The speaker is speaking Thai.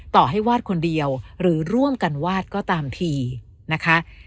ต่อให้วาดคนเดียวหรือร่วมกันวาดก็ตามทีนะคะ